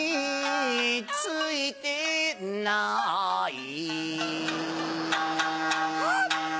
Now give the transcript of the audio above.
ついてないハッ！